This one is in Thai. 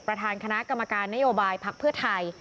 ประธานคณะกรรมการนโยบายพักเพื่อไทย